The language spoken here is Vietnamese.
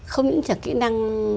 không những kỹ năng